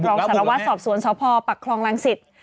บุกรองสารวัตรสอบสวนสภพปักครองลังศิษฐ์